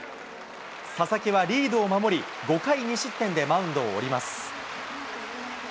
佐々木はリードを守り、５回２失点でマウンドを降ります。